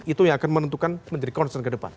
itu yang akan menentukan menjadi concern ke depan